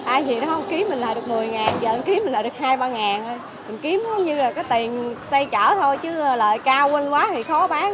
ai gì đó không một khí mình lại được một mươi giờ một khí mình lại được hai ba mình kiếm nó như là có tiền xây trở thôi chứ lợi cao quên quá thì khó bán